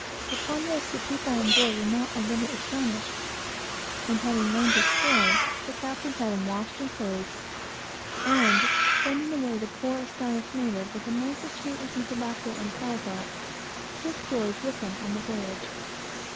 Upon this, the people on board were not a little astonished; and, having learned his story, the captain had him washed and clothed, and sending away the poor astonished native with a knife or two and some tobacco and calico, took George with him on the voyage.